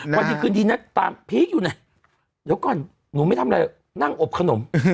อืมคือจริงจริงน่ะตามพีคอยู่น่ะเดี๋ยวก่อนหนูไม่ทำอะไรนั่งอบขนม